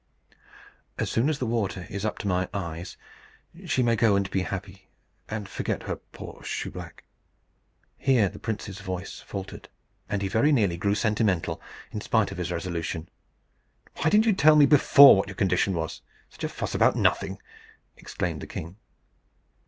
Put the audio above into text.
As soon as the water is up to my eyes, she may go and be happy, and forget her poor shoeblack." Here the prince's voice faltered, and he very nearly grew sentimental, in spite of his resolution. "Why didn't you tell me before what your condition was? Such a fuss about nothing!" exclaimed the king.